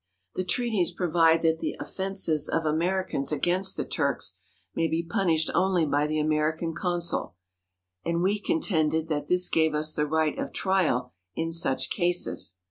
"The treaties provide that the offences of Americans against the Turks may be punished only by the American consul, and we contended that this gave us the right of trial in such cases.